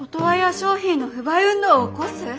商品の不買運動を起こす」！？